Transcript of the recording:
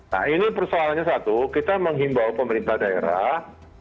nah ini persoalannya satu kita menghimbau pemerintah daerah